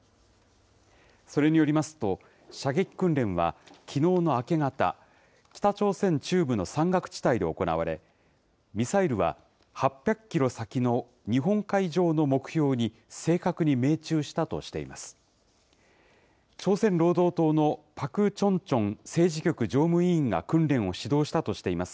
それによりますと、射撃訓練は、きのうの明け方、北朝鮮中部の山岳地帯で行われ、ミサイルは８００キロ先の日本海上の目標に正確に命中したとしています。